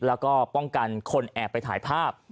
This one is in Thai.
แล้วก็ป้องกันคนแอบไปถ่ายภาพ